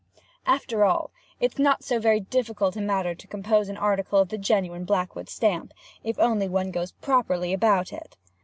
And, after all, it's not so very difficult a matter to compose an article of the genuine Blackwood stamp, if one only goes properly about it.